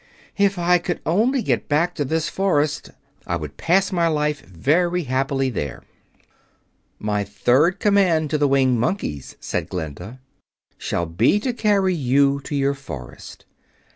If I could only get back to this forest, I would pass my life very happily there." "My third command to the Winged Monkeys," said Glinda, "shall be to carry you to your forest.